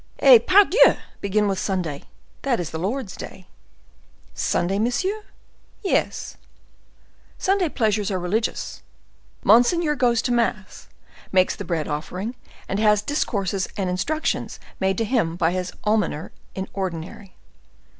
"Eh, pardieux! begin with Sunday; that is the Lord's day." "Sunday, monsieur?" "Yes." "Sunday pleasures are religious: monseigneur goes to mass, makes the bread offering, and has discourses and instructions made to him by his almoner in ordinary.